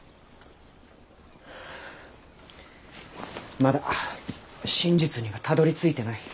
まだ真実にはたどりついてない。